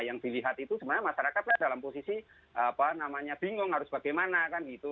yang dilihat itu sebenarnya masyarakat dalam posisi apa namanya bingung harus bagaimana kan gitu